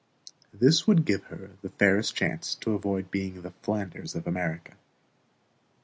This would give her the fairest chance to avoid being the Flanders of America.